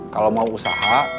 kalau mau usaha